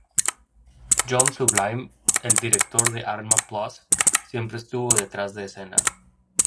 John Sublime, el director de Arma Plus, siempre estuvo detrás de escena.